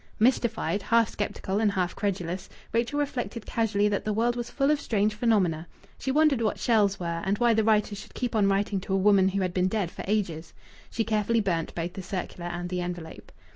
Mystified, half sceptical, and half credulous, Rachel reflected casually that the world was full of strange phenomena. She wondered what "Shells" were, and why the writers should keep on writing to a woman who had been dead for ages. She carefully burnt both the circular and the envelope.